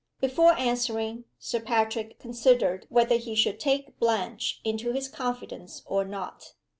Before answering, Sir Patrick considered whether he should take Blanche into his confidence or not.